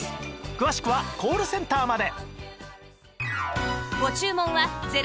詳しくはコールセンターまで